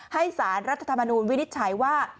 สารรัฐธรรมนูญวินิจฉัยว่า